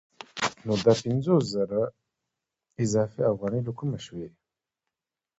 نو دا پنځوس زره اضافي افغانۍ له کومه شوې